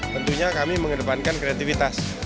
tentunya kami mengedepankan kreativitas